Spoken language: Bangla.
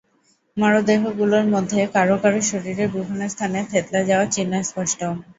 মরদেহগুলোর মধ্যে কারও কারও শরীরের বিভিন্ন স্থানে থেঁতলে যাওয়ার চিহ্ন স্পষ্ট।